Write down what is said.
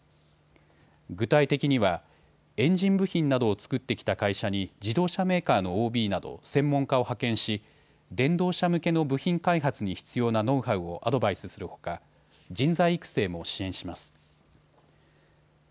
具体的にはエンジン部品などを作ってきた会社に自動車メーカーのＯＢなど専門家を派遣し電動車向けの部品開発に必要なノウハウをアドバイスするほか人材育成も支援します。